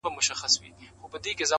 • پیغام د ښکلیو کلماتو، استعارو، -